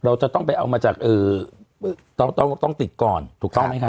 เราจะต้องไปเอามาจากต้องติดก่อนถูกต้องไหมคะ